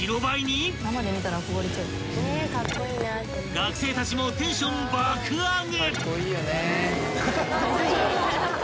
［学生たちもテンション爆上げ！］